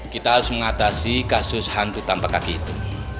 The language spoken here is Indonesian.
kita harus mengatasi kasus hantu tanpa kaki itu